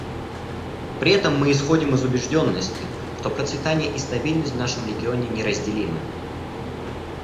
При этом мы исходим из убежденности, что процветание и стабильность в нашем регионе неразделимы.